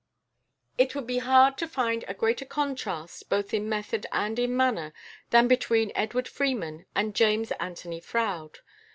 It would be hard to find a greater contrast, both in method and in manner, than between Edward Freeman and James Anthony Froude.